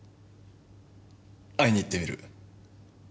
会いに行ってみる。